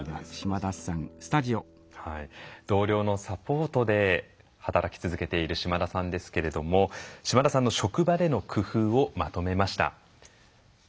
同僚のサポートで働き続けている島田さんですけれども島田さんの職場での工夫をまとめました。